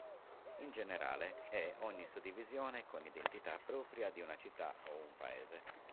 In generale, è ogni suddivisione con identità propria di una città o un paese.